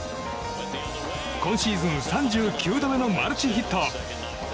今シーズン３９度目のマルチヒット！